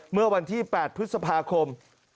เมื่อวันที่๘พฤษภาคม